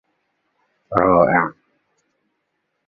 The style of these works was often extravagant.